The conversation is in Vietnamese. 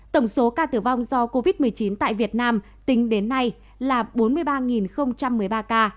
tổng số ca tử vong do covid một mươi chín tại việt nam tính đến nay là bốn mươi ba một mươi ba ca